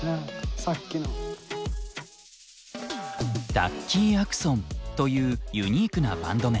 ダッキーアクソンというユニークなバンド名。